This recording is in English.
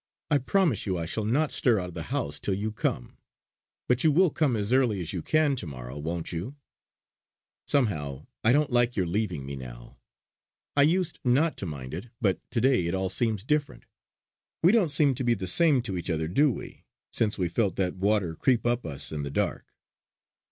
I promise you I shall not stir out of the house till you come. But you will come as early as you can to morrow; won't you. Somehow, I don't like your leaving me now. I used not to mind it; but to day it all seems different. We don't seem to be the same to each other, do we, since we felt that water creep up us in the dark.